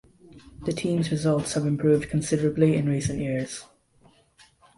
The team's results have improved considerably in recent years.